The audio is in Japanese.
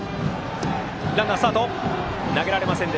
ランナー、スタートしましたが投げられません。